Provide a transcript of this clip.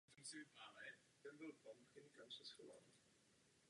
Sdružení podporuje rozvoj obnovitelných zdrojů energie a ochranu životního prostředí.